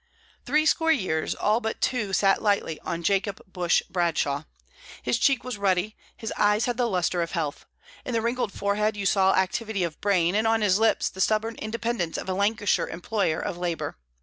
Threescore years all but two sat lightly on Jacob Bush Bradshaw. His cheek was ruddy, his eyes had the lustre of health; in the wrinkled forehead you saw activity of brain, and on his lips the stubborn independence of a Lancashire employer of labour.